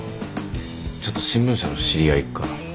ちょっと新聞社の知り合いから。